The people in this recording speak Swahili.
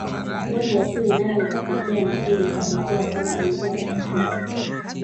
Bodi ya shule nayo ikatetea na shule ikatetea kwamba ni fedha za shule